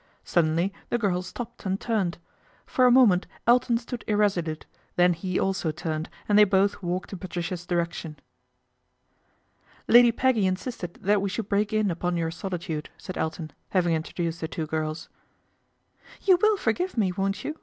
Suddenly the girl stopped and turned. For a moment Elton stood irresolute, then he also turned and they both walked in Patricia's direc tion. " Lady Peggy insisted that we should break in upon your solitude," said Elton, having intro duced the two girls. "You will forgive me, won't you?"